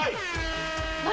何？